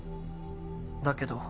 だけど。